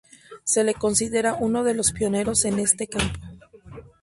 Se le considera uno de los pioneros en este campo.